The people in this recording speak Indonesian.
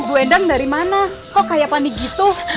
bu endang dari mana kok kayak pandi gitu